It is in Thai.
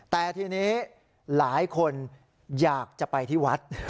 แต่ทีนี้หลายคนอยากจะไปที่วัด